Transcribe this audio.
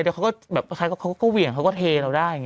แต่เขาก็เหวี่ยงเขาก็เทเราได้